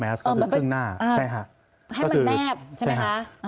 เขาจะคือเครื่องหน้าใช่ค่ะคือใช่ค่ะให้มันแนบ